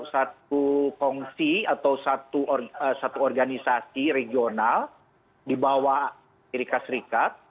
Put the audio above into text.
satu kongsi atau satu organisasi regional dibawah amerika serikat